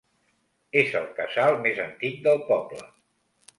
És el casal més antic del poble.